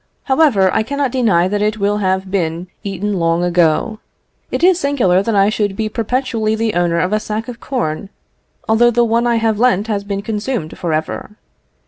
However, I cannot deny that it will have been eaten long ago. It is singular that I should be perpetually the owner of a sack of corn, although the one I have lent has been consumed for ever.